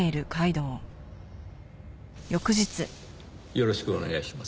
よろしくお願いします。